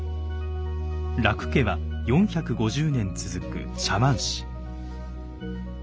樂家は４５０年続く茶碗師。